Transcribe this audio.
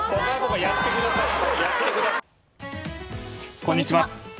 こんにちは。